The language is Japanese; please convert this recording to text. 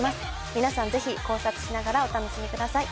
皆さん是非考察しながらお楽しみください。